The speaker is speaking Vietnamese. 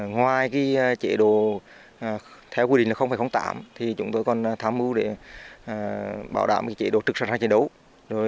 ngoài chế độ theo quy định tám trăm linh tám chúng tôi còn tham mưu để bảo đảm chế độ trực sản sản chiến đấu